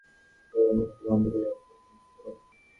গোরা মুষ্টি বদ্ধ করিয়া কহিল, মিথ্যা কথা!